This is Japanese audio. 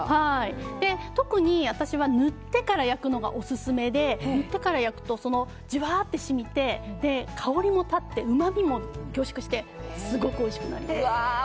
特に私は塗ってから焼くのがオススメで塗ってから焼くとジュワッと染みて、香りもたってうまみも凝縮してすごくおいしくなります。